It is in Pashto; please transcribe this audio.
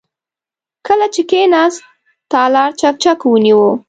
کله چې کېناست، تالار چکچکو ونيو.